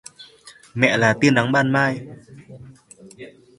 Mẹ là tia nắng ban mai